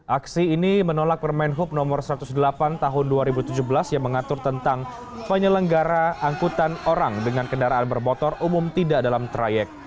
aksi ini menolak permen hub no satu ratus delapan tahun dua ribu tujuh belas yang mengatur tentang penyelenggara angkutan orang dengan kendaraan bermotor umum tidak dalam trayek